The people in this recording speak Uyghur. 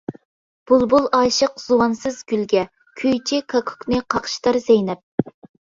بۇلبۇل ئاشىق زۇۋانسىز گۈلگە، كۈيچى كاككۇكنى قاقشىتار زەينەپ.